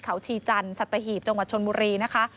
เขาชีจันทร์สัตหีบจังหวัดชนบุรีนะคะ